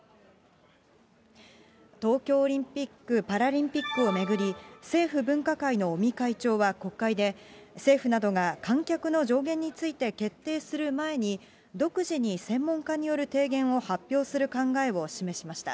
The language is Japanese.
東京オリンピック・パラリンピックを巡り、政府分科会の尾身会長は国会で、政府などが観客の上限について決定する前に、独自に専門家による提言を発表する考えを示しました。